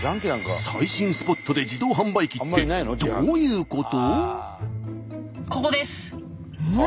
最新スポットで自動販売機ってどういうこと？